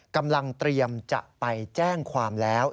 กำลังเตรียมจะไปแจ้งความแล้ว